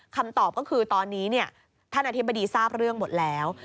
คำตอบก็คือตอนนี้ท่านอธิบดีทราบเรื่องหมดแล้ว